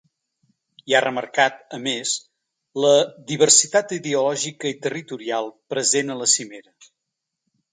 I ha remarcat, a més, la ‘diversitat ideològica i territorial’ present a la cimera.